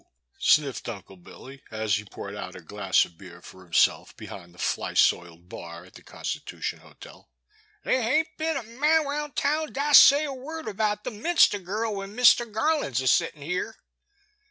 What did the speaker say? '* sniffed Unde BiUy, as he poured out a glass of beer for himself behind the fly soiled bar at the Constitution Hotel, '' there hain't a man araound taown dass say a word abaout the Minster girl when Mister Garland 's a settin* here.